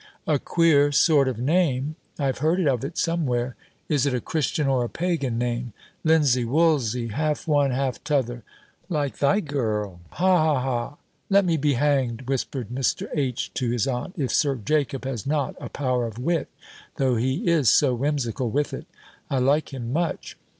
A queer sort of name! I have heard of it somewhere! Is it a Christian or a Pagan name? Linsey woolsey half one, half t'other like thy girl Ha, ha, ha." "Let me be hang'd," whispered Mr. H. to his aunt, "if Sir Jacob has not a power of wit; though he is so whimsical with it. I like him much."